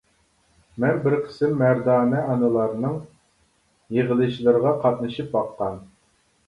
مەن بىر قىسىم مەردانە ئانىلارنىڭ يىغىلىشلىرىغا قاتنىشىپ باققان.